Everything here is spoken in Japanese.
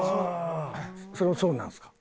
それはそうなんですか？